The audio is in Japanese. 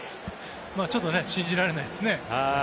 ちょっと信じられないですね。